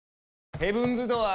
ヘブンズ・ドアー！